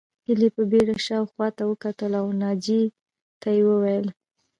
هيلې په بېړه شا او خواته وکتل او ناجيې ته وویل